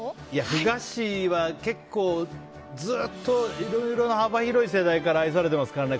ふ菓子は結構、ずっといろいろな幅広い世代から愛されてますからね。